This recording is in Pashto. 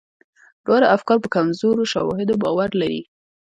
دواړه افکار په کمزورو شواهدو باور لري.